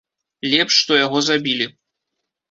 Лепш, што яго забілі.